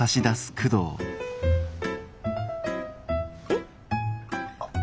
えっ？